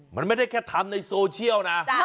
มันไม่ได้แค่ทำในโซเชียลนะ